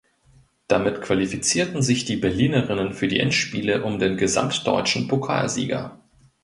Damit qualifizierten sich die Berlinerinnen für die Endspiele um den gesamtdeutschen Pokalsieger.